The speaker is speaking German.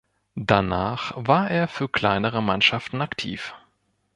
Danach war er für kleinere Mannschaften aktiv.